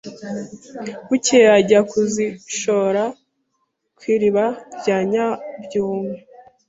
Bukeye ajya kuzishora ku iriba rya Nyabyunyu